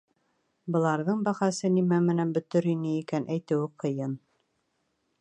Быларҙың бәхәсе нимә менән бөтөр ине икән, әйтеүе ҡыйын.